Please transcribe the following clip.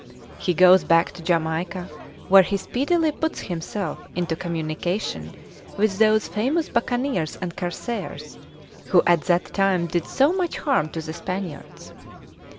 He goes back to Jamaica, where he speedily puts himself into communication with those famous buccaneers and corsairs, who at that time did so much harm to the Spaniards.